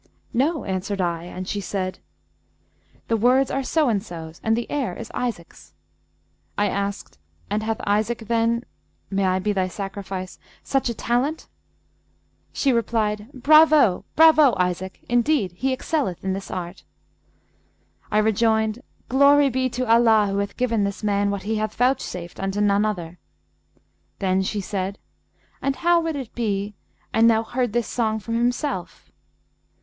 '"No," answered I; and she said, The words are so and so's and the air is Isaac's.' I asked 'And hath Isaac then (may I be thy sacrifice!) such a talent?' She replied, 'Bravo![FN#178] Bravo, Isaac! indeed, he excelleth in this art.' I rejoined, 'Glory be to Allah who hath given this man what he hath vouchsafed unto none other!' Then she said 'And how would it be, an thou heard this song from himself?'